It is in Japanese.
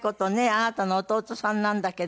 あなたの弟さんなんだけど。